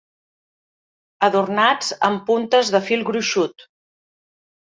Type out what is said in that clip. Adornats amb puntes de fil gruixut.